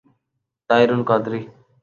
Tahir al-Qadri